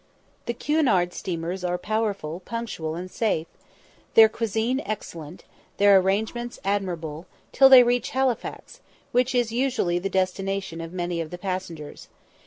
The Cunard steamers are powerful, punctual, and safe, their cuisine excellent, their arrangements admirable, till they reach Halifax, which is usually the destination of many of the passengers.